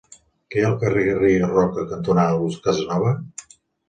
Què hi ha al carrer Garriga i Roca cantonada Luz Casanova?